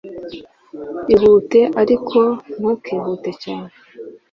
Ihute, ariko ntukihute cyane"